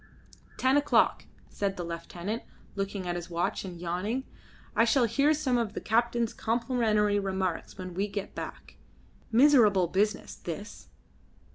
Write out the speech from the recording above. "Ten o'clock," said the lieutenant, looking at his watch and yawning. "I shall hear some of the captain's complimentary remarks when we get back. Miserable business, this."